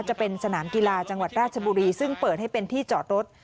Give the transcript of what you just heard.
จะเป็นสนามกีฬาจังหวัดราชบุรีซึ่งเปิดให้เป็นที่จอดรถ